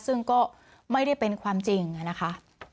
ซึ่งก็ไม่ได้เป็นความจริงนะคะ